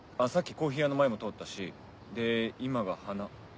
コーヒー屋の前も通ったしで今が花。